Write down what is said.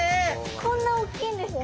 こんなおっきいんですか？